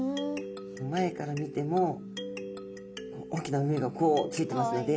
前から見ても大きな目がこうついてますので。